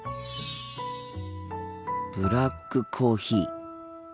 ブラックコーヒー。